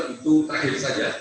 itu terakhir saja